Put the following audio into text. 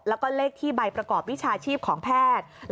แล้วก็เลขที่ใบประกอบวิชาชีพของแพทย์